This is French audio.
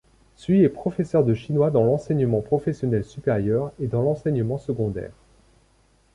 Tsui est professeur de chinois dans l'enseignement professionnel supérieur et dans l'enseignement secondaire.